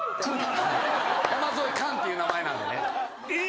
山添寛っていう名前なんで。え！？